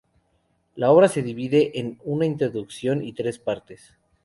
La obra se divide en una introducción y tres partes.